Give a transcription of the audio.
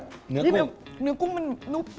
เนื้อกุ้งเนื้อกุ้งมันนุบ